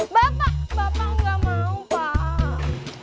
bapak bapak nggak mau pak